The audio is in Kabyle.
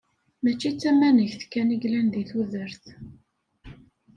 Mačči d tamanegt kan i yellan deg tudert.